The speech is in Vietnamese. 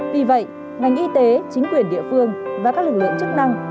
vì vậy ngành y tế chính quyền địa phương và các lực lượng chức năng